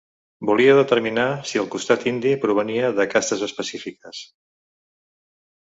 Volia determinar si el costat indi provenia de castes específiques.